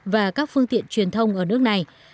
và các phương tiện truyền thông ở nước này